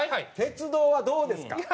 鉄道はどうですか？